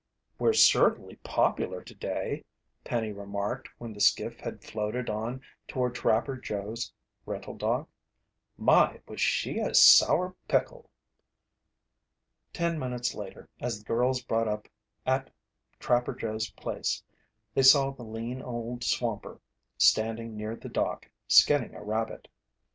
"We're certainly popular today," Penny remarked when the skiff had floated on toward Trapper Joe's rental dock. "My, was she a sour pickle!" Ten minutes later, as the girls brought up at Trapper Joe's place, they saw the lean old swamper standing near the dock, skinning a rabbit.